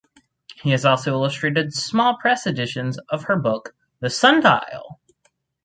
He has also illustrated small press editions of her book "The Sundial".